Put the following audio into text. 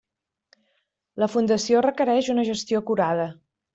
La fundació requereix una gestió acurada.